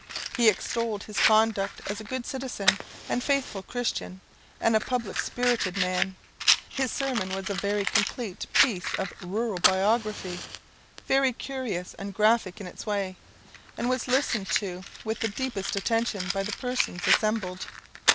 He extolled his conduct as a good citizen, and faithful Christian, and a public spirited man. His sermon was a very complete piece of rural biography, very curious and graphic in its way, and was listened to with the deepest attention by the persons assembled.